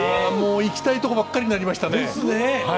もう行きたいとこばっかりになりましたね。